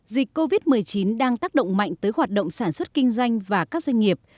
dịch covid một mươi chín đang tác động mạnh tới hoạt động sản xuất kinh doanh và các doanh nghiệp